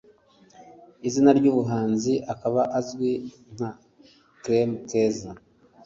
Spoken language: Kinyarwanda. izina ry’ubuhanzi akaba azwi nka Clem Keza